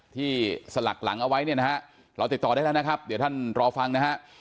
สลักหลังเอาไว้เนี่ยนะฮะเราติดต่อได้แล้วนะครับเดี๋ยวท่านรอฟังนะฮะ